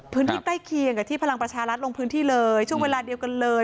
พื้นที่ใกล้เคียงกับที่พลังประชารัฐลงพื้นที่เลยช่วงเวลาเดียวกันเลย